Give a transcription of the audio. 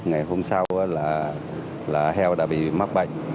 ngày hôm sau là heo đã bị mắc bệnh